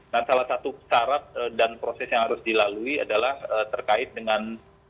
dan salah satu syarat dan proses yang harus dilalui adalah terkait dengan